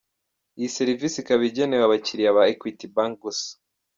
Iyi serivisi ikaba igenewe abakiliya ba Equity Bank gusa.